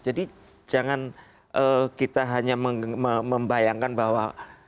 jadi jangan kita hanya membayangkan bahwa